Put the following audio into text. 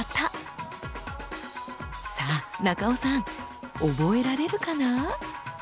さあ中尾さん覚えられるかな？